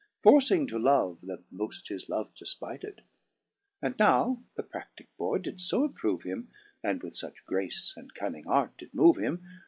Forcing to love that moft his love defpited : And now the pradlique boy did fo approove him. And with fuch grace and cunning arte did moove him.